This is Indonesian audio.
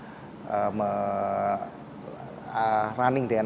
jadi kita harus memperhatikan bahwa kita tidak akan terhubung dengan orang lain